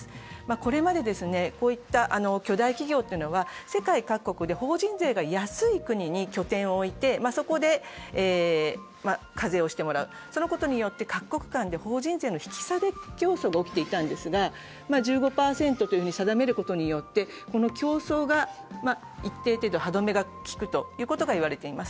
これまで、巨大企業というのは世界各国で法人税が安い国に拠点を置いて、そこで課税をしてもらう、そのことによって各国間で法人税の引き下げ競争が起きていたんですが１５％と定めることによって、この競争が一定程度歯止めが利くということがいわれています。